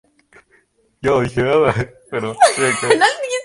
La discográfica Duke contrató al hermano de Johny Ace, St.